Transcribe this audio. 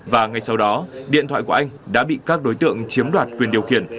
và ngay sau đó điện thoại của anh đã bị các đối tượng chiếm đoạt quyền điều khiển